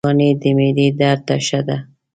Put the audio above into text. هندوانه د معدې درد ته ښه ده.